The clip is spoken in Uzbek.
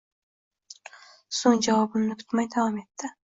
So`ng javobimni kutmay, davom etdi